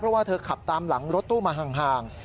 เพราะว่าเธอขับตามหลังรถตู้มาห่าง